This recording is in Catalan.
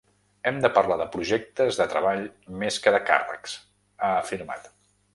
Hem de parlar de projectes de treball més que de càrrecs, ha afirmat.